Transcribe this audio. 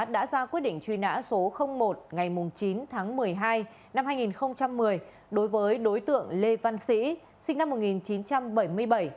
đã ra quyết định truy nã số một ngày chín tháng một mươi hai năm hai nghìn một mươi đối với đối tượng lê văn sĩ sinh năm một nghìn chín trăm bảy mươi bảy